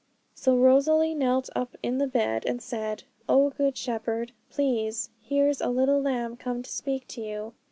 So Rosalie knelt up in bed, and said, 'O Good Shepherd, plase, here's a little lamb come to speak to you.